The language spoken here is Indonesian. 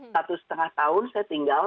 satu setengah tahun saya tinggal